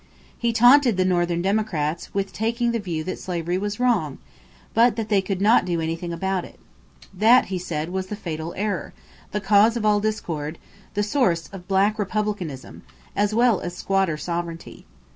He taunted the Northern Democrats with taking the view that slavery was wrong, but that they could not do anything about it. That, he said, was the fatal error the cause of all discord, the source of "Black Republicanism," as well as squatter sovereignty.